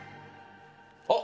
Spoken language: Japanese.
あっ！